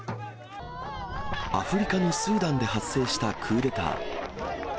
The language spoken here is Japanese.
アフリカのスーダンで発生したクーデター。